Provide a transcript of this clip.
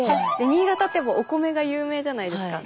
新潟といえばお米が有名じゃないですか。